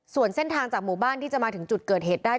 ส่วนเส้นทางจากหมู่บ้านที่จะมาถึงจุดเกิดเหตุได้